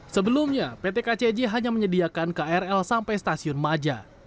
sebelumnya pt kcj hanya menyediakan krl sampai stasiun maja